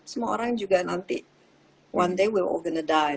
semua orang juga nanti one day we all gonna die